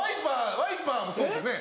ワイパーもそうですよね。